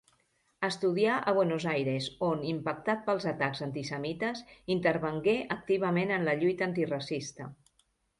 Estudià a Buenos Aires on, impactat pels atacs antisemites, intervingué activament en la lluita antiracista.